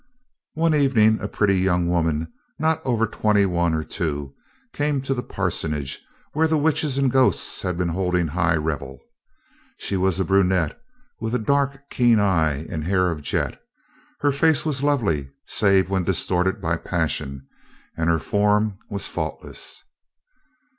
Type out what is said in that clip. One evening, a pretty young woman, not over twenty one or two, came to the parsonage, where the witches and ghosts had been holding high revel. She was a brunette with a dark keen eye and hair of jet. Her face was lovely, save when distorted by passion, and her form was faultless.